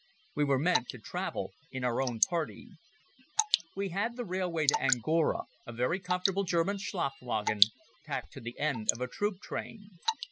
We were meant to travel in our own party. We had the railway to Angora, a very comfortable German Schlafwagen, tacked to the end of a troop train.